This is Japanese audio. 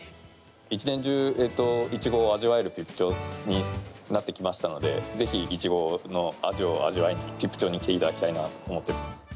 一年中イチゴを味わえる比布町になってきましたのでぜひ、イチゴの味を味わいに比布町に来ていただきたいなと思っています。